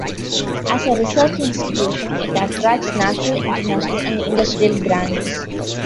As a research institution it attracts national, international, and industrial grants.